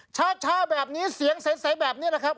เช้าแบบนี้เสียงใสแบบนี้แหละครับ